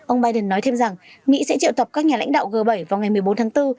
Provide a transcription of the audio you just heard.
ông biden nói thêm rằng mỹ sẽ triệu tập các nhà lãnh đạo g bảy vào ngày một mươi bốn tháng bốn